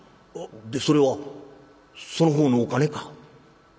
でそれはその方のお金か？」。